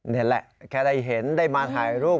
นี่แหละแค่ได้เห็นได้มาถ่ายรูป